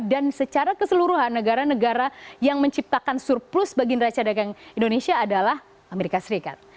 dan secara keseluruhan negara negara yang menciptakan surplus bagi neraca dagang indonesia adalah amerika serikat